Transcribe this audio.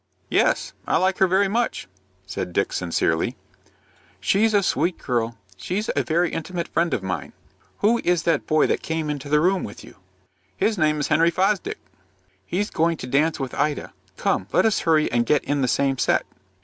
"Yes, I like her very much," said Dick, sincerely. "She's a sweet girl. She's a very intimate friend of mine. Who is that boy that came into the room with you?" "His name is Henry Fosdick." "He's going to dance with Ida. Come, let us hurry and get in the same set."